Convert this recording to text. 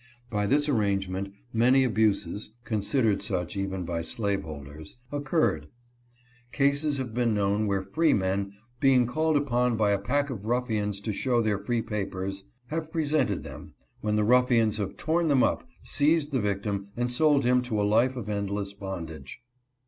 By this arrangement many abuses (considered such even by slaveholders) occurred. Cases have been known where freemen, being called upon by a pack of ruffians to show their free papers, have presented them, when the ruffians have torn them up, seized the victim and sold him to a life of endless bondage.